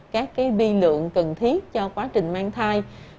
các bi lượng cần thiết cho quá trình mang thai